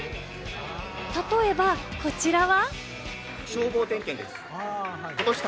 例えばこちらは。